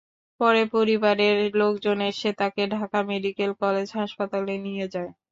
পরে পরিবারের লোকজন এসে তাঁকে ঢাকা মেডিকেল কলেজ হাসপাতালে নিয়ে যায়।